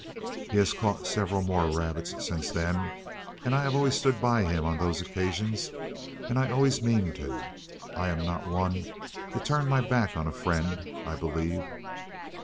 He has caught several more rabbits since then, and I have always stood by him on those occasions, and I always mean to. I am not one to turn my back on a friend, I believe.